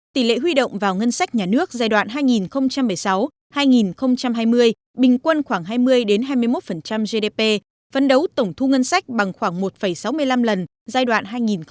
tỷ lệ huy động vào ngân sách nhà nước giai đoạn hai nghìn một mươi sáu hai nghìn hai mươi bình quân khoảng hai mươi hai mươi một gdp phân đấu tổng thu ngân sách bằng khoảng một sáu mươi năm lần giai đoạn hai nghìn một mươi sáu hai nghìn hai mươi